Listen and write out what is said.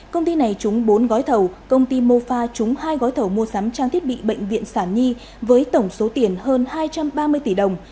công ty này trúng bốn gói thầu công ty mofa trúng hai gói thầu mua sắm trang thiết bị bệnh viện sản nhi với tổng số tiền hơn hai trăm ba mươi tỷ đồng